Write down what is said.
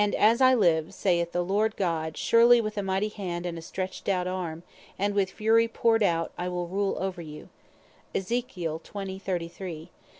"As I live, saith the Lord God, surely with a mighty hand, and a stretched out arme, and with fury powred out, I wil rule over you; and (verse 37.)